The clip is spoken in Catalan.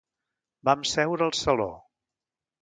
Vam seure al saló.